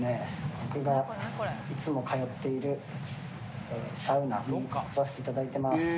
僕がいつも通っているサウナに来させていただいてます。